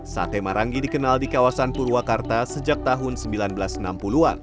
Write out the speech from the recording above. sate maranggi dikenal di kawasan purwakarta sejak tahun seribu sembilan ratus enam puluh an